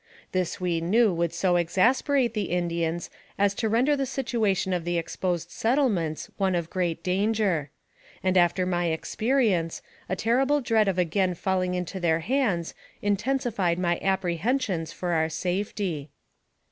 This we knew would so exasperate the Indians as to render the situation of the exposed settlements one of great danger; and after my experience, a terrible dread of again falling into their hands intensified my apprehensions for our safety.